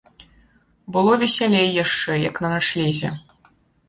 Было весялей яшчэ, як на начлезе.